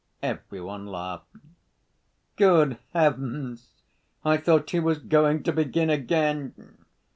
Every one laughed. "Good heavens! I thought he was going to begin again!"